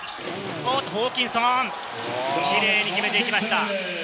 ホーキンソン、キレイに決めていきました。